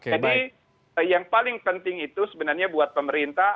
yang paling penting itu sebenarnya buat pemerintah